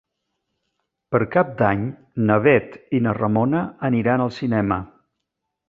Per Cap d'Any na Bet i na Ramona aniran al cinema.